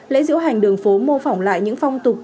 lễ diễu hành đường phố mô phỏng lại những phong tục